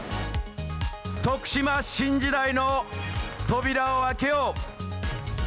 徳島新時代の扉を開けよう。